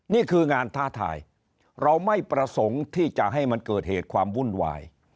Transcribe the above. นี่คืองานท้าทายเราไม่ประสงค์ที่จะให้มันเกิดเหตุความวุ่นวาย